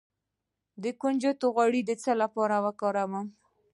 د کنجد غوړي د څه لپاره وکاروم؟